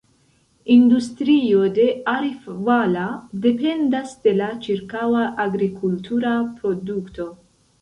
Industrio de Arifvala dependas de la ĉirkaŭa agrikultura produkto.